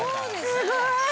すごーい！